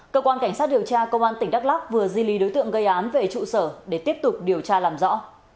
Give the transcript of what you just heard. cơ quan cảnh sát điều tra công an tỉnh đắk lắc vừa di lý đối tượng gây án về trụ sở để tiếp tục điều tra làm rõ